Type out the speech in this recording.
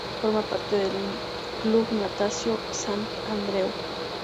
Forma parte del Club Natació Sant Andreu.